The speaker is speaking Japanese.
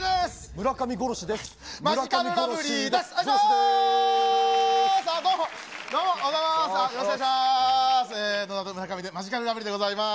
村上殺しです。